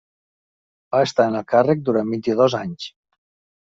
Va estar en el càrrec durant vint-i-dos anys.